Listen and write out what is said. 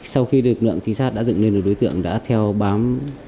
sau khi lực lượng trinh sát đã dựng lên được đối tượng đã theo bám